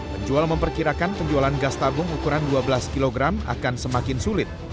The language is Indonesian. penjual memperkirakan penjualan gas tabung ukuran dua belas kg akan semakin sulit